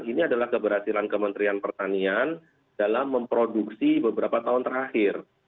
ini adalah keberhasilan kementerian pertanian dalam memproduksi beberapa tahun terakhir